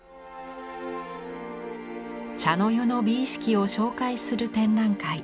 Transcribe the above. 茶の湯の美意識を紹介する展覧会。